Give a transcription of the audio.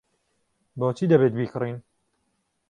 بۆچی دەبێت بیکڕین؟